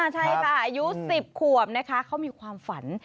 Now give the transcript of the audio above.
ใช่ค่ะอายุ๑๐ขวบนะคะเขามีความฝัน